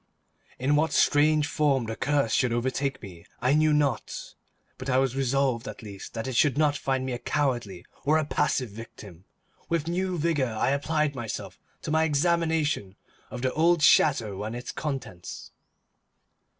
In what strange form the curse should overtake me, I knew not; but I was resolved at least that it should not find me a cowardly or a passive victim. With new vigour I applied myself to my examination of the old chateau and its contents.